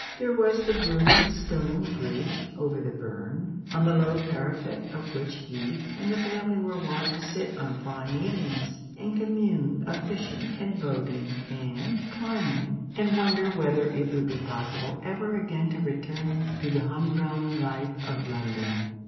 There was the rude stone bridge over the burn, on the low parapet of which he and the family were wont to sit on fine evenings, and commune of fishing, and boating, and climbing, and wonder whether it would be possible ever again to return to the humdrum life of London.